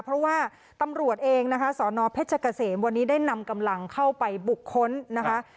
เพราะว่าตำรวจเองนะคะสนเพชรเกษมวันนี้ได้นำกำลังเข้าไปบุคคลนะคะ